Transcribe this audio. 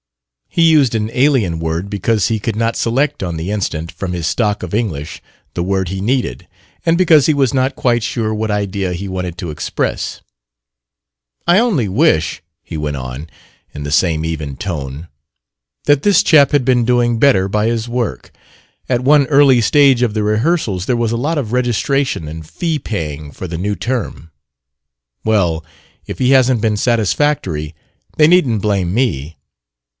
He used an alien word because he could not select, on the instant, from his stock of English, the word he needed, and because he was not quite sure what idea he wanted to express. "I only wish," he went on, in the same even tone, "that this chap had been doing better by his work. At one early stage of the rehearsals there was a lot of registration and fee paying for the new term. Well, if he hasn't been satisfactory, they needn't blame me.